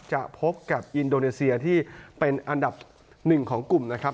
จะพบกับอินโดนีเซียที่เป็นอันดับหนึ่งของกลุ่มนะครับ